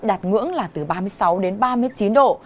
đạt ngưỡng là từ ba mươi sáu đến ba mươi chín độ